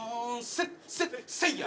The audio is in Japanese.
せっせっせいや！